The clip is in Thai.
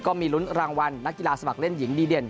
ก็มีลุ้นรางวัลนักกีฬาสมัครเล่นหญิงดีเด่น